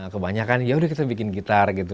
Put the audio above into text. kebanyakan ya udah kita bikin gitar gitu